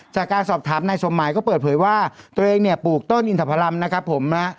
จากการสอบถามนายสมหมายก็เปิดเผยว่าตัวเองเนี่ยปลูกต้นอินทพรรมนะครับผมนะ